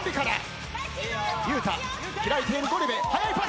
開いているゴリ部速いパス！